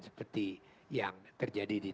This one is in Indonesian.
seperti yang terjadi di